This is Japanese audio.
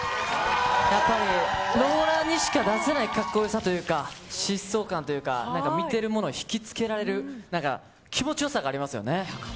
やっぱり、ローラーにしか出せないかっこよさというか、疾走感というか、なんか見てる者を引き付けられる、なんか、気持ちよさがありますよね。